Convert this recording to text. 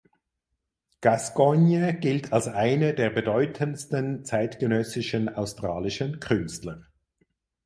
Gascoigne gilt als eine der bedeutendsten zeitgenössischen australischen Künstler.